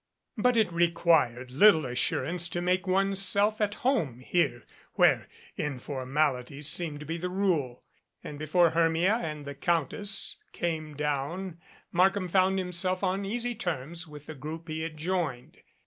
But it required little assurance to make one's self at home here where informality seemed to be the rule, and before Hermia and the Countess came down Markham found himself on easy terms with the group he had j oined.